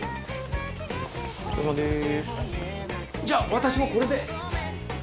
じゃ私もこれで。